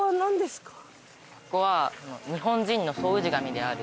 ここは日本人の総氏神である。